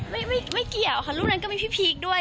ไม่ไม่เกี่ยวค่ะรูปนั้นก็มีพี่พีคด้วย